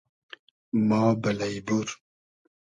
ما بئلݷ بور